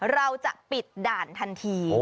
เราจะปิดด่านทันที